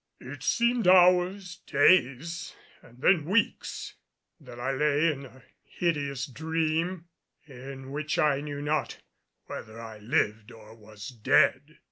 It seemed hours, days and then weeks that I lay in a hideous dream in which I knew not whether I lived or was dead.